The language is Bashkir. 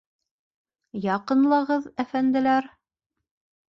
Яҡынлағыҙ, әфәнделәр!